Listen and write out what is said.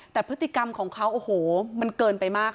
แต่พฤติกรรมของเขาโอ้โหมันเกินไปมาก